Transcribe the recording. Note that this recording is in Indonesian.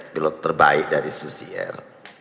pilot terbaik dari susi air